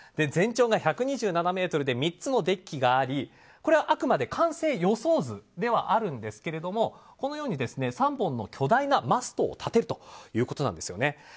全長が１２７ｍで３つのデッキがありこれはあくまで完成予想図ではあるんですけれどもこのように３本の巨大なマストを立てるということです。